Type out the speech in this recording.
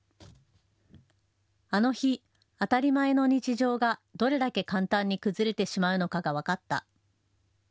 あの日、当たり前の日常がどれだけ簡単に崩れてしまうのかがわかった。